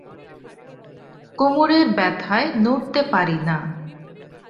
কোমরের ব্যথায় নড়তে পারি না।